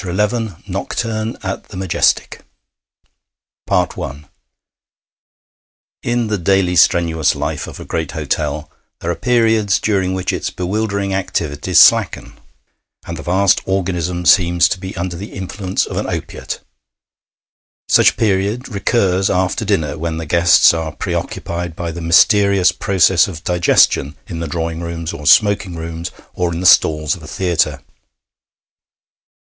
NOCTURNE AT THE MAJESTIC I In the daily strenuous life of a great hotel there are periods during which its bewildering activities slacken, and the vast organism seems to be under the influence of an opiate. Such a period recurs after dinner when the guests are preoccupied by the mysterious processes of digestion in the drawing rooms or smoking rooms or in the stalls of a theatre.